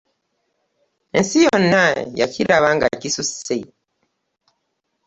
Ensi yonna yakiraba nga kisusse.